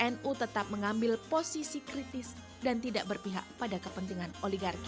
nu tetap mengambil posisi kritis dan tidak berpihak pada kepentingan oligarki